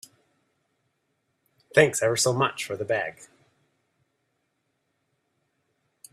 Thanks ever so much for the bag.